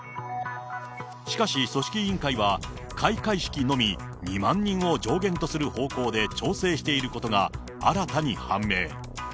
しかし、組織委員会は開会式のみ２万人を上限とする方向で、調整していることが新たに判明。